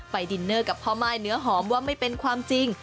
ดินเนอร์กับพ่อม่ายเนื้อหอมว่าไม่เป็นความจริง